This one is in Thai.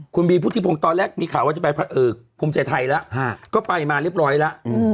คุณบีพุทธิพงศ์ตอนแรกมีข่าวว่าจะไปภูมิใจไทยแล้วก็ไปมาเรียบร้อยแล้ว